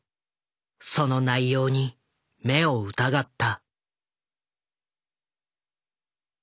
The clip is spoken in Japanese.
その内容に目を疑った。